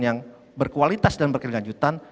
yang berkualitas dan berkelanjutan